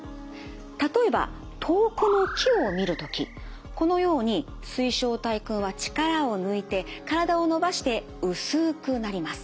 例えば遠くの木を見る時このように水晶体くんは力を抜いて体を伸ばして薄くなります。